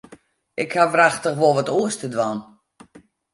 Ik haw wrachtich wol wat oars te dwaan.